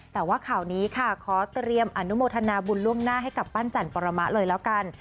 แต่ว่าข่าวนี้ค่ะขอเตรียมอนุโมทนาบุญล่วงหน้าให้กับปั้นจันปรมะเลยแล้วกัน